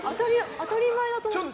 当たり前だと思ってました。